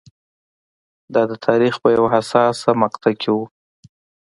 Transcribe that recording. دا د تاریخ په یوه حساسه مقطعه کې و.